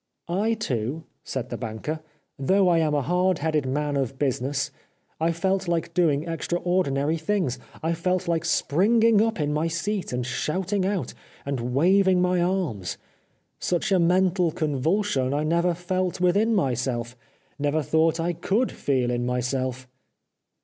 I too," said the banker, " though I am a hard headed man of business, I felt like doing extra ordinary things. I felt like springing up in my seat, and shouting out, and waving my arms. Such a mental convulsion I never felt within my self, never thought I could feel in myself."